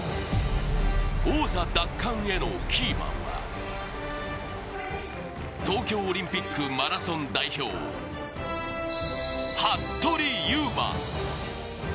王座奪還へのキーマンは、東京オリンピックマラソン代表・服部勇馬。